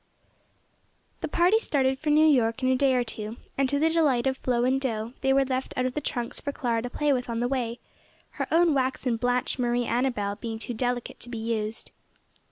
The party started for New York in a day or two, and to the delight of Flo and Do they were left out of the trunks for Clara to play with on the way, her own waxen Blanche Marie Annabel being too delicate to be used.